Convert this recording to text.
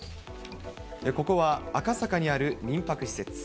ここは赤坂にある民泊施設。